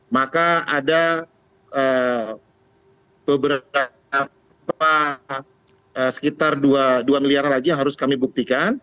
maka ada beberapa sekitar dua miliar lagi yang harus kami buktikan